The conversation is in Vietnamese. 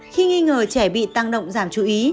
khi nghi ngờ trẻ bị tăng động giảm chú ý